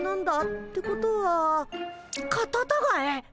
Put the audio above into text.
ってことはカタタガエ？